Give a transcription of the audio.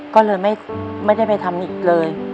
ก็เลยไม่ได้ไปทำอีกเลย